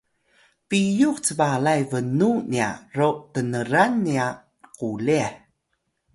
piyux cbalay bnu nya ro tnran nya qulih